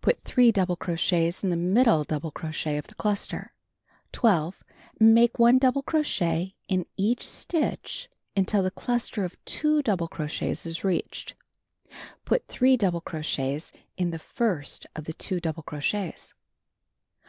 Put three double crochets in the middle double crochet of the cluster. 12. Make 1 double crochet in each stitch until the cluster of 2 double crochets is reached. Put 3 double crochets in the first of the 2 double crochets.